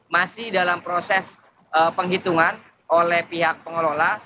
masih dalam proses penghitungan oleh pihak pengelola